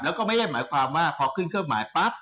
แล้วก็ไม่ได้หมายความว่าพอขึ้นเครื่องหมายปั๊บ